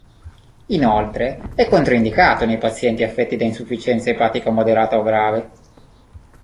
Inoltre è controindicato nei pazienti affetti da insufficienza epatica moderata o grave.